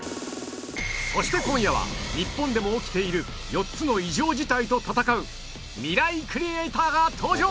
そして今夜は日本でも起きている４つの異常事態と闘うミライクリエイターが登場！